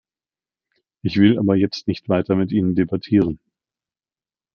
Ich will aber jetzt nicht weiter mit Ihnen debattieren.